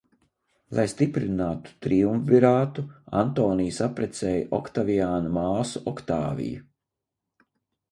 Lai stiprinātu triumvirātu, Antonijs apprecēja Oktaviāna māsu Oktāviju.